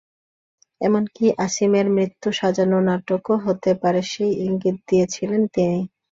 এমনকি আসিমের মৃত্যু সাজানো নাটকও হতে পারে সেই ইঙ্গিত দিয়েছিলেন তিনি।